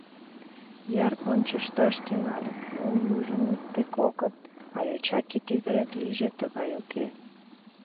Йыр ончышташ тӱҥальым, ну, южын икте, кокыт, а йоча кӱтӱ гаяк лийже — тыгай уке.